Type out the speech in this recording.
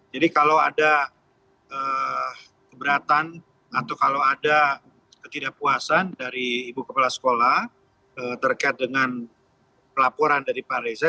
jadi kalau ada keberatan atau kalau ada ketidakpuasan dari ibu kepala sekolah terkait dengan pelaporan dari pak reza